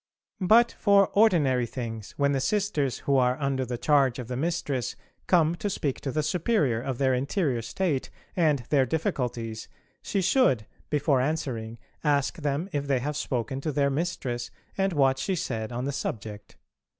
But for ordinary things, when the sisters who are under the charge of the Mistress come to speak to the Superior of their interior state and their difficulties she should, before answering, ask them if they have spoken to their Mistress and what she said on the subject.